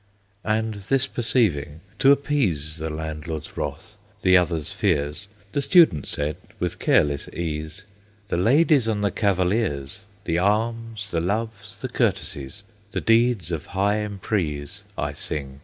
And this perceiving, to appease The Landlord's wrath, the others' fears, The Student said, with careless ease, "The ladies and the cavaliers, The arms, the loves, the courtesies, The deeds of high emprise, I sing!